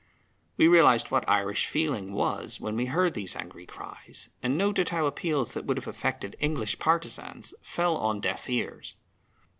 We realized what Irish feeling was when we heard these angry cries, and noted how appeals that would have affected English partisans fell on deaf ears.